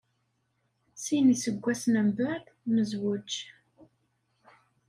Sin iseggasen umbaɛd, nezweǧ.